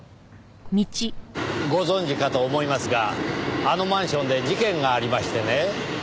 ご存じかと思いますがあのマンションで事件がありましてね。